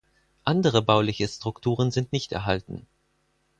Andere bauliche Strukturen sind nicht erhalten.